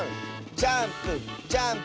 ジャンプジャンプ。